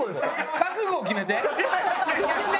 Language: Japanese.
覚悟を決めて。